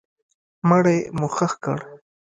مړی مو ښخ کړ.